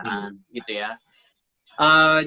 cuman masalahnya narasi itu bukan hanya kata kata gitu